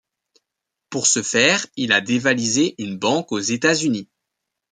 Pour se faire il a dévalisé une banque aux Etats-Unis.